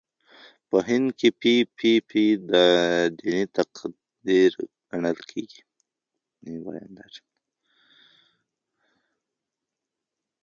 په هند کې پي پي پي دیني تقدیر ګڼل کېږي.